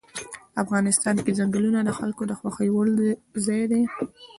افغانستان کې ځنګلونه د خلکو د خوښې وړ ځای دی.